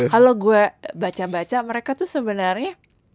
kalau gue baca baca mereka tuh sebenarnya